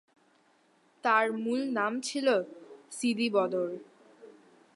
তার মূল নাম ছিল সিদি বদর।